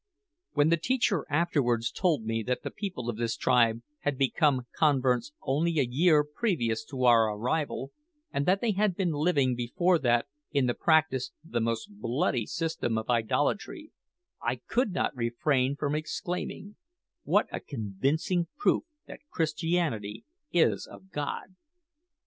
When the teacher afterwards told me that the people of this tribe had become converts only a year previous to our arrival, and that they had been living before that in the practice of the most bloody system of idolatry, I could not refrain from exclaiming, "What a convincing proof that Christianity is of God!"